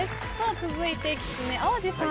続いてきつね淡路さん。